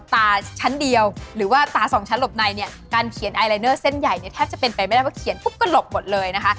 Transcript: แทบจะเป็นไปไม่ได้ว่าเขียนปุ๊บก็หลบหมดเลยนะคะ